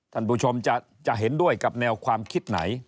ท่านผู้ชมจะเห็นด้วยกับแนวความคิดไหน